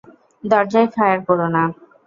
দরজায় ফায়ার করো না।